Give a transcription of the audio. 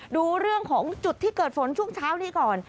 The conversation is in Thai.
ดูเรื่องของจุดที่เกิดฝนช่วงเช้านี้ก่อน